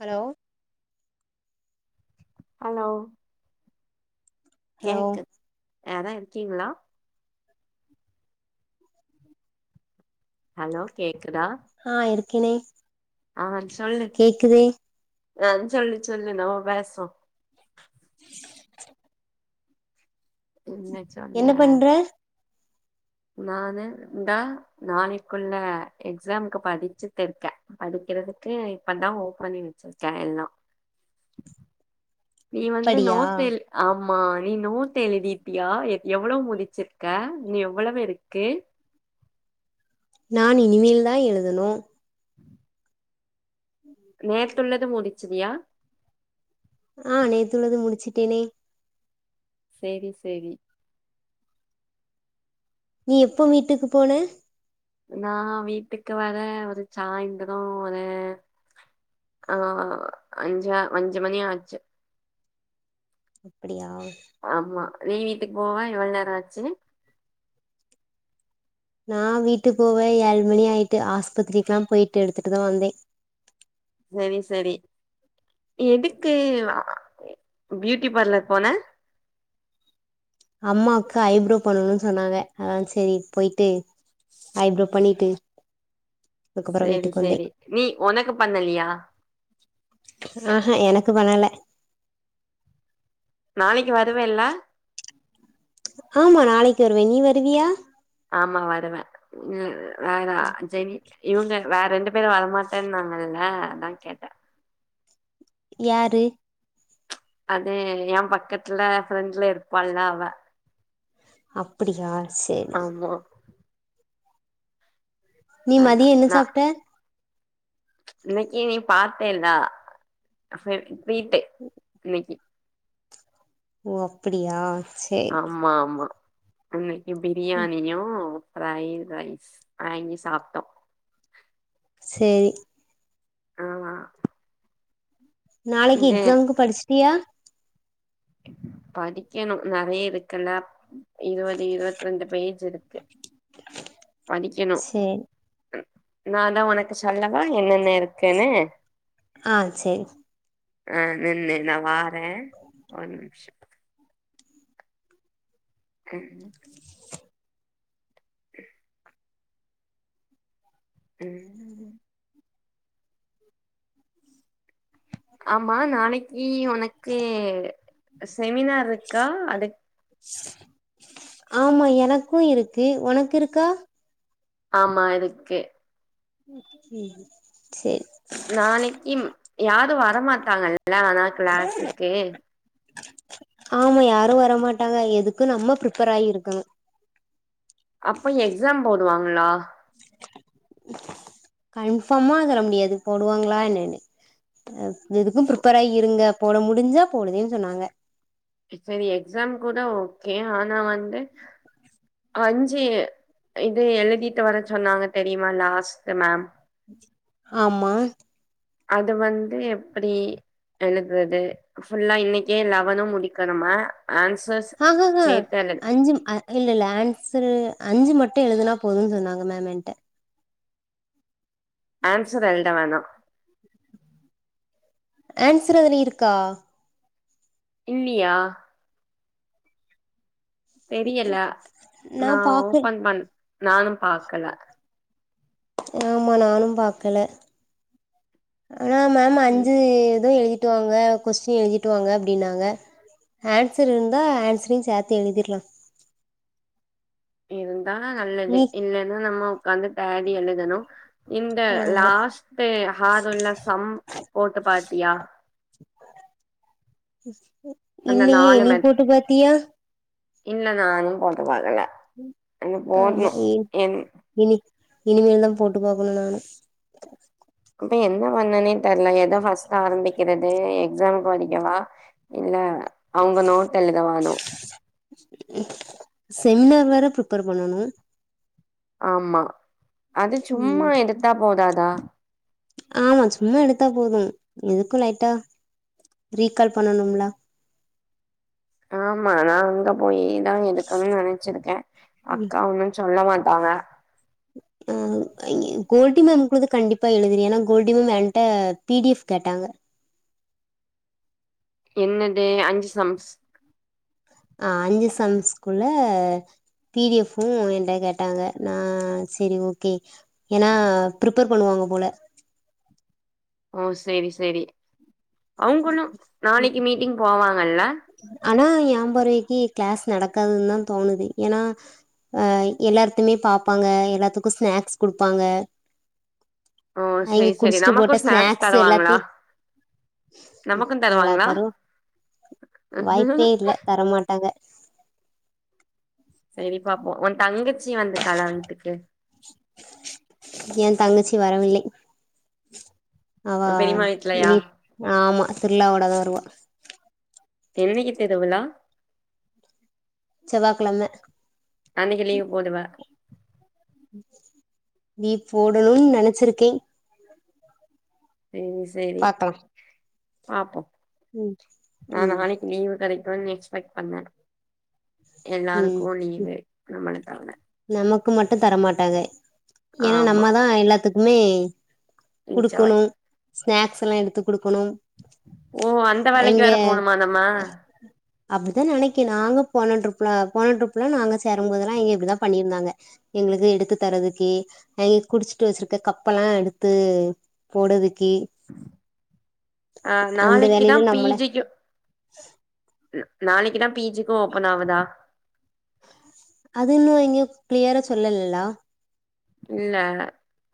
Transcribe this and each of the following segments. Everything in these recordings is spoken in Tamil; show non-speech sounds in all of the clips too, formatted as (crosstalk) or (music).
ஹலோ ஹலோ ஹலோ கேக்குது யாரா இருக்கீங்ளா ஹலோ கேக்குதா ஆ இருக்கனே ஆ சொல்லு ஆ சொல்லு சொல்லு என்னவோ பேசோ (inaudible) என்னக் என்ன பண்ற நானு இந்தா நாளைக்குள்ள எக்ஸாம்கு படிச்சுட்டுருக்கே படிக்கறதுக்கு இப்பதா ஓப்பனி வெச்சிருக்க எல்லா நீவ வந்து படியா நோச்த்தெல் ஆமா நீ நோட்டெழுதீட்டியா எக் எவ்ளோவு முதிச்சிர்க்க நீ எவ்வளவு இருக்கு நான் இனிமேல்தா எழதனு உஹ (inaudible) நேத்துள்ளது முடிச்சிதியா ஆ நேத்துள்ளது முடிச்சிட்டேனே சேரி செரி நீ எப்போ வீட்டுக்கு போன நா வீட்டுக்கு வர ஒரு சாய்ந்திரோ ஒரே ஆ அஞ்சா அஞ்சு மணி ஆச்சு அப்டியா ஆமா நீ் வீட்டுக் போவ எவள் நேரோ ஆச்சி நா வீட்டுப் போவே ஏழ் மணி ஆயிட்டு ஆஸ்பத்திரிக்லாம் போயிட்டு எடுத்துட்டுதா வந்தே செரி செரி எதுக்கு ஆ பியூட்டி பார்லர் போன அம்மாக்கு ஐ ப்ரோவ் பண்ணணுன் சொன்னாங்க அதா செரி போயிட்டு ஐப்ரோ பண்ணிட்டு அதுக்கப்புறோ செரி வீட்டுக்கு வந்தே செரி நீ ஓனக்கு பண்ணலியா ஆஹ எனக்கு பண்ணல நாளைக்கு வருவ இல்ல ஆமா நாளைக்கு வருவேன் நீ வருவியா ஆமா வருவேன் வேற அஜயினி இவங்க வேற ரெண்டு பேரும் வரமாட்டேன்னுன்னாங்கல்ல அதான் கேட்டேன் யாரு அது என் பக்கத்துல ஃப்ரெண்ட்ல இருப்பல்ல அவ அப்படியா சேரி ஆமா நீ அதான் மதியம் என்ன சாப்பிட்ட இன்னைக்கி நீ பார்த்தேல்லா ஃப்ரீ டைம் இன்னைக்கு ஓ அப்படியா சரி ஆமா ஆமா இன்னைக்கு பிரியாணியும் ப்ரைட் ரைஸ் வாங்கி சாப்பிட்டோம் சேரி ஆ நாளைக்கு எக்ஸாம்க்கு படிச்சிட்டியா படிக்கணும் நிறைய இருக்குல்ல இருபது இருபத்த ரெண்டு பேஜ் இருக்கு சேரி நா தான் உனக்கு சொல்லவா என்னென்ன இருக்கு ன்னு ஆ சேரி ஆ நில்லு நா நா வாரேன் அ ஒரு நிமிஷம் ம் ம் ம் ஆமா நாளைக்கு உனக்கு செமினார் இருக்கா அதுக் ஆமா எனக்கும் இருக்கு உனக்கு இருக்கா ஆமா இருக்கு செரி நாளைக்கு யாரும் வரமாட்டாங்கல்ல ஆனா கிளாஸுக்கே ஆமா யாரும் வரமாட்டாங்க எதுக்கும் நம்ம ப்ரிபேர் ஆகி இருக்கணும் அப்ப எக்ஸாம் போதுவாங்களா கன்ஃபார்மா சொல்ல முடியாது போடுவாங்களா என்னன்னு எதுக்கும் ப்ரிப்பேர் ஆகி இருங்க போட முடிஞ்சா போடுதேன்னு சொன்னாங்க சரி எக்ஸாம் கூட ஓகே ஆனா வந்து அஞ்சு இது எழுதிட்டு வர சொன்னாங்க தெரியுமா லாஸ்ட்ட் மேம் ஆமா அது வந்து எப்டி எழுதுது ஃபுல்லா இன்னைக்கே லெவனும் முடிக்கணுமா ஆன்சர்ஸ் ஆ ஹ ஹ சேத்து எழுது அஞ்சு இல்ல இல்ல ஆன்சரு அஞ்சு மட்டும் எழுதுனா போதும்ன்னு சொன்னாங்க மேம் என்கிட்ட ஆன்சர் எழுத வேணாம் ஆன்சர் அதுல இருக்கா இல்லியா தெரியல நா ஓபன் பண் நானும் பாக்கல ஆமா நானு பாக்கல ஆனா மேம் ம் அஞ்சு ஏதுவு எழு திட்டுவாங்க கொஸ்டின் எழுதிட்டுவாங்க அப்டின்னாங்க ஆன்சர் இருந்தா ஆன்சரையு சேர்த்து எழுதிடலா இருந்தா நல்லது நீ இல்லன்னா நம்ம உக்காந்து தேடி எழுதணு இந்த ஆமா லாஸ்ட்டு ஹாடான சம் போட்டு பாத்தியா அந்த இல்லையே நாலு நீ மட் போட்டு பாத்தியா இந்த நானு போட்டு பாக்கல வந்து ஆமா போட்னு இ என் இனி இனிமேல் தா போட்டு பாக்கணு நானு இப்ப என்ன பண்ணனே தெர்ல ஏத ஃபர்ஸ்ட் ஆரம்பிக்கிறது எக்ஸாமு படிக்கவா இல்ல அவங்க நோட்ட எழுதவாணு செமினார் வேற பிரிபர் பண்ணணு ஆமா அது சும்மா ம் எடுத்தா போதாதா ஆமா சும்மா எடுத்தா போது எதுக்கு லைட்டா ரீகால் பண்ணனும்ல ஆமா நா அங்க போய்தா எடுக்கனு நெனச்சிருக்கே ம் அக்கா ஒன்னு சொல்ல மாட்டாங்க ம் கோல்டி மேம் குடுது க கண்டிப்பா எழுதிரு ஏன்னா கோல்டி மேம் என்ட்ட பி டி எஃப் கேட்டாங்க என்னது அஞ்சு சம்ஸ் ஆ அஞ்சு சம்ஸ்குள்ள பி டி எஃபு என்ட்ட கேட்டாங்க நா செரி ஓகே ஏன்னா ப்ரிப்பர் பண்ணுவாங்க போல ஓ சேரி சேரி அவங்களு நாளைக்கு மீட்டிங் போவாங்கல்ல ஆனா ஏ பார்வைக்கு கிளாஸ் நடக்காதுன்னு தா தோணுது ஏன்னா அ எல்லாத்தையுமே பாப்பாங்க எல்லாத்துக்கு ஸ்நாக்ஸ் குடுப்பாங்க ஓ அவிங்க சேரி சேரி குடிச்ட்டு நமக்கு போட்ட ஸ்நாக்ஸ் தருவாங்களா எல்லாத்தையு நமக்கு நல்லா தருவாங்களா தரு வாய்ப்பே இல்ல தரமாட்டாங்க சரி பாப்போ உ தங்கச்சி வந்துட்டாலா வீட்டுக்கு எ தங்கச்சி வரவில்லை அவா உன் பெரியம்மா வீட்லயா நீ ஆமா திருவிழாவோட தா வருவா என்னைக்கு திருவிழா செவ்வாகெழம அன்னைக்கு லீவ் போடுவ லீவ் போடணுன் நெனச்சிருக்கே சேரி செரி பாக்கலா பாப்போ ம் நா ம் நாளைக் லீவு கெடைக்குன்னு எக்ஸ்பெக்ட் பண்ணே ம் எல்லாருக்கு லீவு நம்மள தவற நமக்கு மட்டு தரமாட்டாங்க ஏன்னா ஆமா நம்மதா எல்லாத்துக்குமே நிச்சவாய் குடுக்கணு ஸ்நாக்ஸ் எல்லா எடுத்து குடுக்கணு ஓ அந்த வேலைக்கு வேற போணுமா நம்ம அப்டித்தா நெனைக்கு நாங்க போன ட்ரிப்லா போன ட்ரிப்லா நாங்க சேரும்போதெல்லா இங்க இப்டிதா பண்ணியிருந்தாங்க எங்களுக்கு எடுத்து தரதுக்கு அங் குடுச்சிட்டு வெச்சுருக்க கப்பெல்லா எடுத்து போடதுக்கு அ நாளைக்குதா வேலையில நம்மள பீஜிக்கு நாளைக்குதா பீஜிக்கு ஓபன் ஆவுதா அது இன்னு இங்க கிளியரா சொல்லலல்ல இல்ல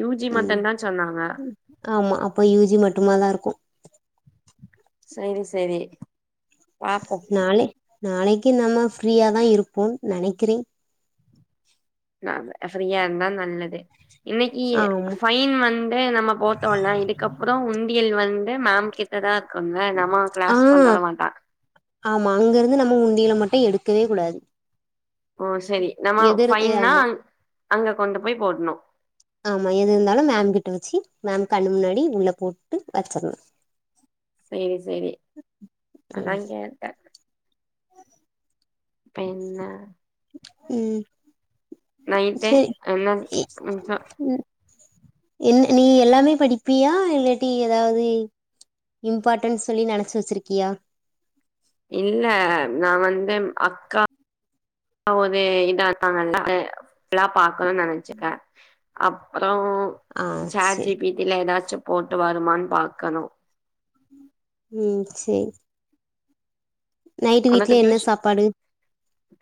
யூ ஜி ம் மட்டுந்தா சொன்னாங்க ஆமா அப்ப யூ ஜி மட்டு நல்லா இருக்கு செரி செரி நாளைக் நாளைக்கி நம்ம ஃரீயாதா இருப்போன் நெனைக்கிறேன் நாம ஃரீயா இருந்தா நல்லது இன்னைக்கி ஆமா ஃபைன் வந் து நம்ம போட்டோல இதுக்கப்புறம் உண்டியல் வந்து மேம் கிட்டதா இருக்குங்க நம்ம க்ளாஸ் ஆ கொண்டு வர மாட்டா ஆமா அங்க இருந்து நம்ம உண்டியில மட்டு எடுக்கவே கூடாது ஓ சரி நம்ம எதிர் ஃபைன்னா ஆமா அங் அங்க கொண்டு போய் போட்ணு ஆமா எது இருந்தாலு மேம் கிட்ட வச்சி மேம் கண்ணு முன்னாடி உள்ள போட்டு வச்சிர்லா செரி செரி அதா ம் கே இப்ப என்ன ம் நைட்டு என்ன செரி ம்ஹு ம் என்ன நீ எல்லாமே படிப்பியா இல்லாட்டி எதாவ்து இம்பார்டன்ஸ் சொல்லி நெனச்சி வச்சுருக்கியா இல்ல நா வந்து அக்கா அ ஒரு இதா இருக்காங்க (unintelligible) ஃபுல்லா பாக்கணுனு நெனைச்சுக்க அப்றோ ஆ சேட் ஜி சரி பி டி இதுல ஏதாச்சும் போட்டு வருமான்னு பாக்கணு ம் செரி நைட்டு வீட்ல உனக்கு என்ன டியூஷ் சாப்பாடு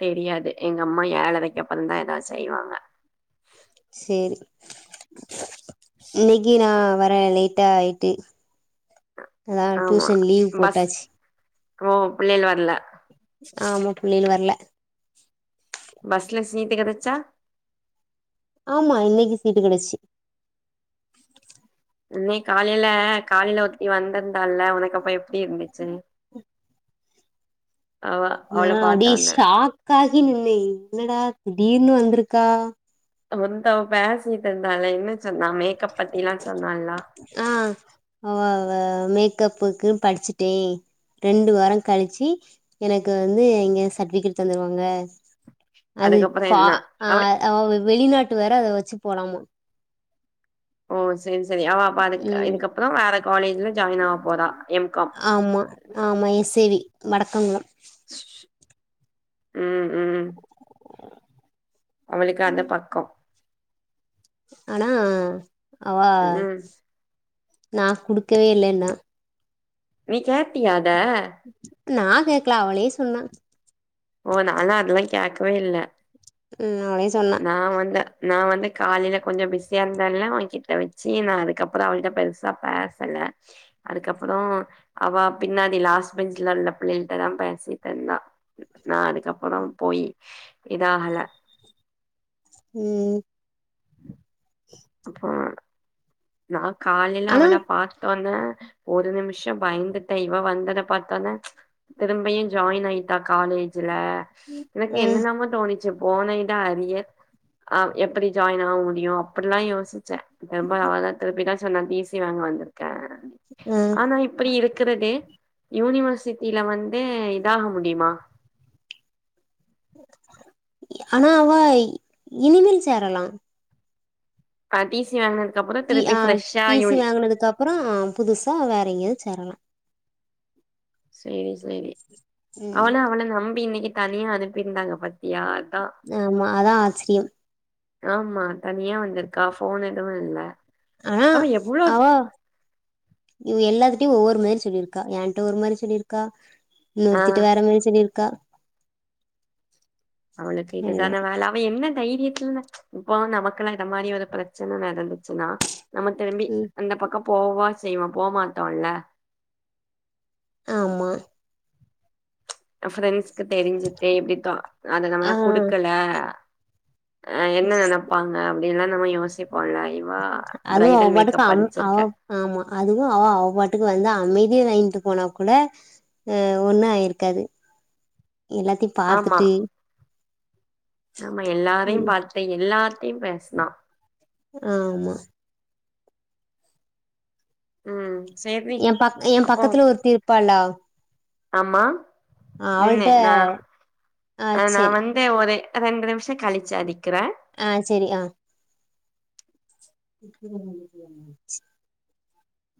தெரியாது எங்க அம்மா ஏழரைக் அப்பறந்தா எதாவ்து செய்வாங்க சேரி இன்னைக்கி நா வர லேட் ஆயிட்டு அதா ஆமா டியூஷன் லீவ் பஸ் போட்டாச்சு ஓ புள்ளைகள் வர்ல ஆமா புள்ளைகல் வர்ல பஸ்ல சீட்டு கடச்சா ஆமா இன்னைக்கி சீட்டு கெடைச்சிச்சி இன்னக்கி காலையில காலையில ஒர்த்தி வந்திருந்தால்ல உனக்கு அப்ப எப்டி இருந்துச்சு அவ நா அவள அப்டியே பாத்தோன்ன ஷாக் ஆகி நின்னே என்னடா திடீர்னு வந்திருக்கா அப்ப வந்தவ பேஸிகிட்டு இருந்தால என்ன சொன்னா மேக்கப் பத்தி எல்லா சொன்னாலா ஆ அவ அவ மேக்கப்புக்குன் படிச்சிட்டே ரெண்டு வாரங் கழிச்சு எனக்கு வந்து இங்க சர்ட்டிஃபிகேட் தந்துடுவாங்க அது அதுக்கப்புறோ ஃபா என்ன அ அவ வெளிநாட்டு வேற அத வச்சி போலாமா ஓ சரி சரி அவ அப்ப அதுக்கு ம் இதுக்கப்புறம் வேற காலேஜ்ல ஜாயின் ஆக போறா எம் காம் ஆமா ஆமா எஸ் ஏ வி வடக்கங்குளம் ம் ம் அவளுக்கு அந்த பக்கொ ஆனா அவ ம் நா குடுக்கவே இல்லேன்னா நீ கேட்டியா அத நா கேக்ல அவளே சொன்னா ஓ நாலா அதெல்லா கேக்கவே இல்ல ம் அவளே சொன்னா நா வந்த நா வந்து காலையில கொஞ்ச பிஸியா இருந்தேன்ல அவ கிட்ட வச்சி நா அதுக்கப்புறம் அவள்ட்ட பெருசா பேசல அதுக்கப்ரோ அவா பின்னாடி லாஸ்ட பெஞ்ச்ல இருந்த பிள்ளையல்ட்ட தா பேசிட்டு இருந்தா நா அதுக்கப்பரோ போய் இதா ஆகல ம் போ நா காலையில ஆனா அவள பாத்தோனே ஒரு நிம்ஷம் பயந்துட்டே இவ வந்தத பாத்தோனே திரும்பியி ஜாயின் ஆயிட்டா காலேஜ்ல எனக்கு அ என்னன்னமோ தோணிச் போன இதா அரியர் அ எப்டி ஜாயின் ஆக முடியு அப்டில்லா யோசிச்சே திரும்ப அவ்ளதா திருப்பிதா சொன்னா தீசி வாங்க வந்துருக்கே அ ஆனா இப்பிடி இரு க்குறதே யூனிவர்சிட்டில வந்து இதாக முடியுமா ஆனா அவ இனிமேல் சேரலா அ டி சி வாங்குனது டி அ டி சி வாங்குனதுக்கப்ரோ அ புதுசா வேற எங்கயாவது சேரலா சேரி சேரி ம் அவன அவள நம்பி இன்னக்கி தனியா அனுப்பியிருந்தாங்க பாத்தியா அதா ஆமா அதா ஆச்சிரியம் ஆமா தனியா வந்துருக்கா ஃபோனெதுவு இல்ல ஆனா அவ எவ்ளோ அவ இவ எல்லாத்திட்டயும் ஒவ்வொரு மாரி சொல்லிருக்கா என்ட்ட ஒரு மாரி சொல்லிருக்கா ஆ இன்னொருத்திட்ட வேறமாரி சொல்லிருக்கா அவளுக்கு என்ன இதுதான வேல அவ என்ன தைரியத்தில்ல இப்போ நமக்கல்லா இந்த மாரி ஒரு பிரச்சன நடந்துச்சுனா நம்ம திரும்பி ம் அந்த பக்கம் போவா செய்வோ போமாட்டோல்ல ஆமா ஃப்ரென்ஸ்க்கு தெரிஞ்சுட்டே இப்பிடித்தா அத நம்ம ஆ குடுக்கல அ என்ன நெனப்பாங்க அப்டில்லா நம்ம யோசிப்போல்ல வா அதுவு அவ ப்ரைடல் பாட்டுக்கு மேக்கப் அம் அவ படிச்சிருக்கே ஆமா அதுவு அவ அவபாட்டுக்கு வந்து அமைதியா வாங்கிட்டு போனாக்கூட ம் ஒண்ணு ஆயிருக்காது எல்லாத்தி ஆமா ஆமா எல்லாரையு ம் பாத்ட்டு எல்லார்ட்டயு பேசுனா ஆமா ம் சேத் ஏம் பக் ஏம் பக்கத்துல ஒருத்தி இருப்பாள ஆமா நின்னே அவள்ட்ட நா ஆ அ நா சேரி வந் தே ஒரு ரெண்டு நிம்ஷோ கழிச்சு அடிக்கறே அ சேரி அ (inaudible)